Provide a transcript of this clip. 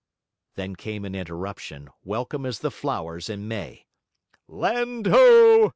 Then came an interruption, welcome as the flowers in May. 'Land ho!'